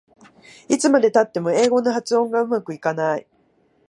いつまでたっても英語の発音がうまくいかない